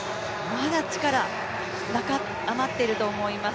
まだ力、余っていると思います。